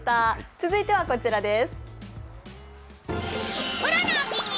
続いてはこちらです。